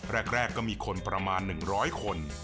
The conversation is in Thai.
แรกก็มีคนประมาณ๑๐๐คน